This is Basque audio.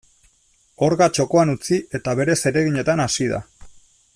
Orga txokoan utzi eta bere zereginetan hasi da.